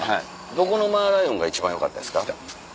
どこのマーライオンが一番よかったですか？